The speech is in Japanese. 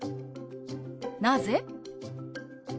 「なぜ？」。